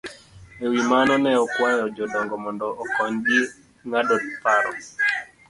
E wi mano, ne okwayo jodongo mondo okonygi ng'ado paro